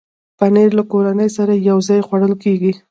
پنېر له کورنۍ سره یو ځای خوړل کېږي.